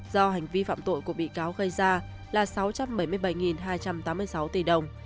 do hành vi phạm tội của bị cáo gây ra là sáu trăm bảy mươi bảy hai trăm tám mươi sáu tỷ đồng